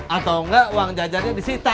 atau engga uang jajannya disita